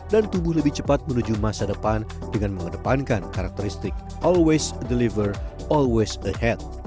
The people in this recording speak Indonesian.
dan tubuh lebih cepat menuju masa depan dengan mengedepankan karakteristik always deliver always ahead